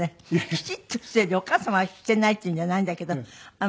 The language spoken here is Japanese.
きちっとしててお母様はしてないっていうんじゃないんだけどま